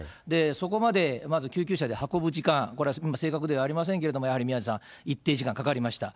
そこまでまず救急車で運ぶ時間、これは今、正確ではありませんけれども、やはり宮根さん、一定時間かかりました。